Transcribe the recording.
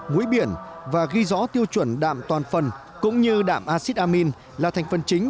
mũi biển và ghi rõ tiêu chuẩn đạm toàn phần cũng như đạm acid amine là thành phần chính